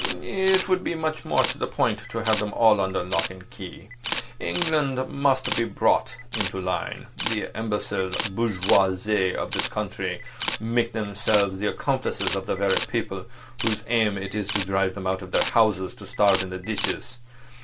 "It would be much more to the point to have them all under lock and key. England must be brought into line. The imbecile bourgeoisie of this country make themselves the accomplices of the very people whose aim is to drive them out of their houses to starve in ditches.